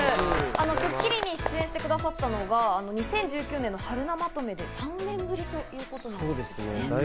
『スッキリ』に出演してくださったのが２０１９年のＨＡＲＵＮＡまとめ、３年ぶりということですね。